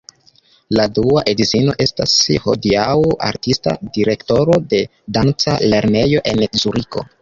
La dua edzino estas hodiaŭ artista direktoro de danca lernejo en Zuriko.